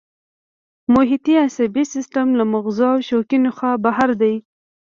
محیطي عصبي سیستم له مغزو او شوکي نخاع بهر دی